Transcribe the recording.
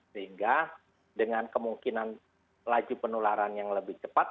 sehingga dengan kemungkinan laju penularan yang lebih cepat